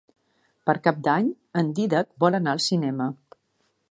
Per Cap d'Any en Dídac vol anar al cinema.